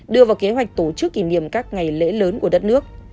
đưa vào kế hoạch tổ chức kỷ niệm các ngày lễ lớn của đất nước